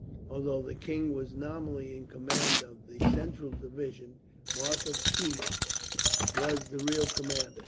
Although the king was nominally in command of the central division, Marshal Keith was the real commander.